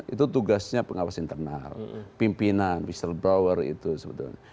itu tugasnya pengawas internal pimpinan mr brower itu sebetulnya